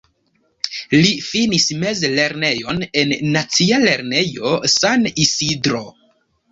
Li finis mezlernejon en Nacia Lernejo San Isidro.